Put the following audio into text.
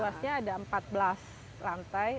luasnya ada empat belas lantai